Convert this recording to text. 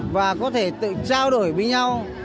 và có thể tự trao đổi với nhau